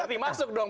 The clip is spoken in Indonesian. berarti masuk dong